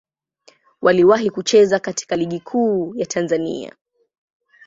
Waliwahi kucheza katika Ligi Kuu ya Tanzania.